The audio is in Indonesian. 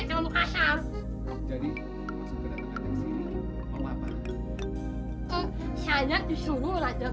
pok rumahnya jelek ya